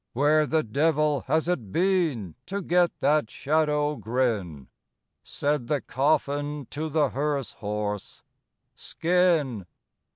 Where the devil has it been To get that shadow grin?" Said the coffin to the hearse horse, "Skin!"